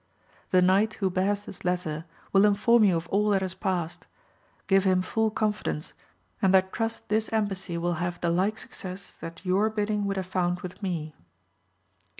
The knight who bears this let ter will inform you of all that has passed ; give him full confidence, and I trust this embassy wiU hare the like success that your bidding would have found with me.